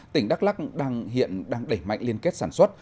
tỉnh đắk lắc hiện đang đẩy mạnh liên kết sản xuất